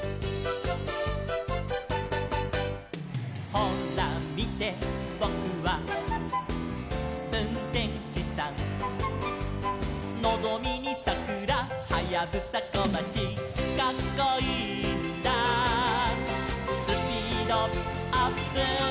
「ほらみてボクはうんてんしさん」「のぞみにさくらはやぶさこまち」「カッコいいんだスピードアップ」